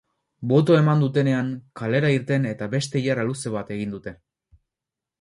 Botoa eman dutenean, kalera irten eta beste ilara luze bat egin dute.